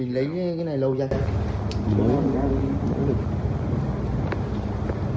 mình lấy cái này lâu chưa anh